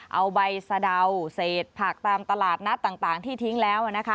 เอาใบสะเดาเศษผักตามตลาดนัดต่างที่ทิ้งแล้วนะคะ